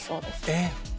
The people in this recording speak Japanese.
えっ！